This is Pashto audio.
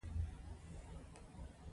مجرمان به وهل کېدل یا به اعدامېدل.